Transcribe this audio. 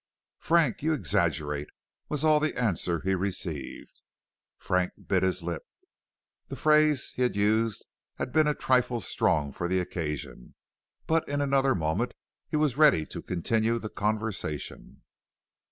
"Frank, you exaggerate," was all the answer he received. Frank bit his lip; the phrase he had used had been a trifle strong for the occasion. But in another moment he was ready to continue the conversation.